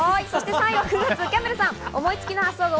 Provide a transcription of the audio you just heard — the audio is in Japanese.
３位は９月、キャンベルさん。